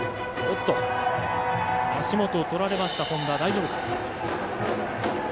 足元をとられた本田、大丈夫か。